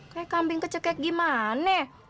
kayak kambing kecek kayak gimane